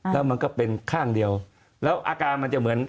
แล้วมันก็เป็นข้างเดียวแล้วอาการมันจะเหมือน